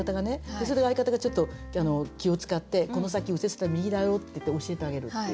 それを相方がちょっと気を遣ってこの先右折だ右だよって言って教えてあげるっていう。